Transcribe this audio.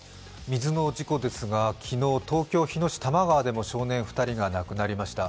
水の事故ですが、昨日、東京・日野市多摩川でも少年２人が亡くなりました。